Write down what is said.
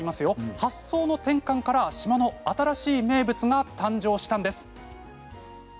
発想の転換から島の新しい名物が誕生したんです。